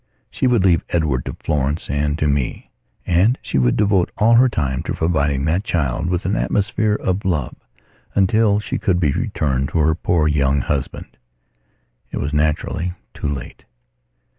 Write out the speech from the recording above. She would leave Edward to Florence and to meand she would devote all her time to providing that child with an atmosphere of love until she could be returned to her poor young husband. It was naturally too late.